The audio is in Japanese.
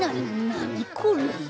なにこれ。